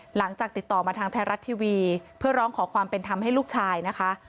หลังจากติดต่อมาทางไทยรัฐทีวีเพื่อร้องขอความเป็นธรรมให้ลูกชายนะคะ